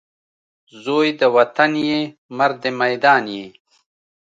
زوی د وطن یې ، مرد میدان یې